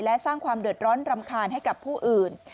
และสร้างความเดือดร้อนรำคาญให้กับผู้อื่น